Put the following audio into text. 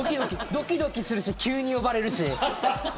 どきどきするし急に呼ばれるし。